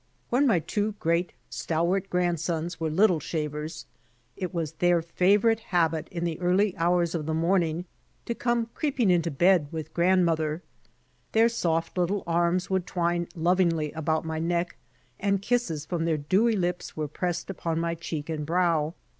When my two great, stalwart grandsons were little shavers, it was their favorite habit in the early hours of the morning to come creeping into bed with grandmother. Their soft little arms would twine lovingly about my neck and kisses from their dewy lips were pressed upon my cheek and brow.